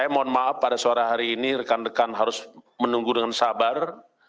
saya mohon maaf pada sore hari ini rekan rekan harus menunggu dengan sabar